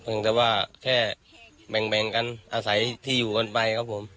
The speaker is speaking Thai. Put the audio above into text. เพราะฉะนั้นว่าแค่แบ่งกันอาศัยที่อยู่กันไปครับผม